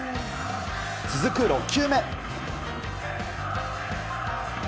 続く６球目。